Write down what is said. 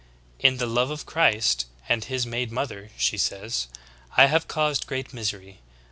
'In the love of Christ and His Maid Mother,' she says, 'I have caused great misery.